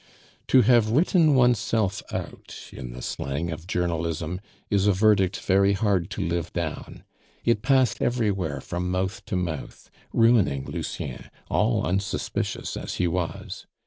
"To have written oneself out" (in the slang of journalism), is a verdict very hard to live down. It passed everywhere from mouth to mouth, ruining Lucien, all unsuspicious as he was.